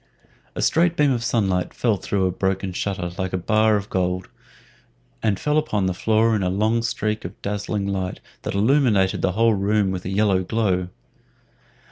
A straight beam of sunlight fell through a broken shutter like a bar of gold, and fell upon the floor in a long streak of dazzling light that illuminated the whole room with a yellow glow.